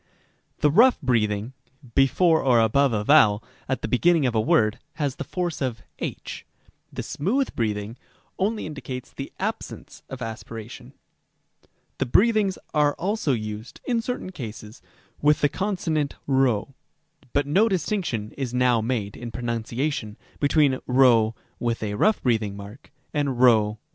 Rem. b. The rough breathing ['] before or above a vowel at the beginning of a word has the force of h ; the smooth breathing ['] only indicates the absence of aspiration. Rem. c. The breathings are also used, in certain cases, with the consonant p; but no distinction is now made, in pronunciation, between ῥ and ῥ. Rem.